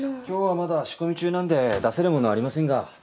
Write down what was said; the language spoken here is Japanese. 今日はまだ仕込み中なんで出せるものはありませんが。